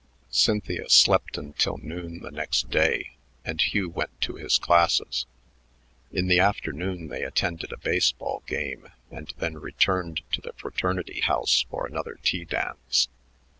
Cynthia slept until noon the next day, and Hugh went to his classes. In the afternoon they attended a baseball game, and then returned to the fraternity house for another tea dance.